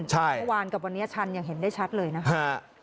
เมื่อวานกับวันนี้ชันอย่างเห็นได้ชัดเลยนะครับ